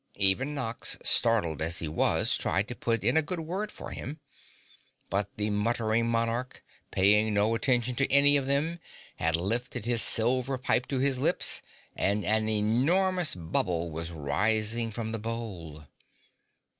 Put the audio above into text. Even Nox, startled as he was, tried to put in a good word for him. But the muttering monarch, paying no attention to any of them, had lifted his silver pipe to his lips and an enormous bubble was rising from the bowl.